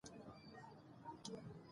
پروژه د پرمختګ نښه ده.